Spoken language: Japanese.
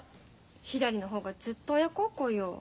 ひらりの方がずっと親孝行よ。